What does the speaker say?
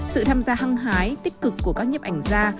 sự tham gia hăng hái tích cực của các nhếp ảnh gia